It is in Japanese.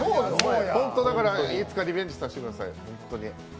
本当、だからいつかリベンジさせてください。